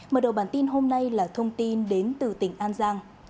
mở đầu bản tin hôm nay là thông tin đến từ tỉnh an giang